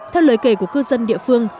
theo lời kể của cư dân địa phương